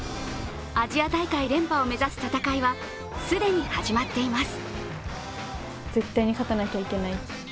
アジア大会連覇を目指す戦いは既に始まっています。